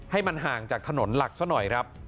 ให้มันห่างจากถนนหลักซะหน่อยครับ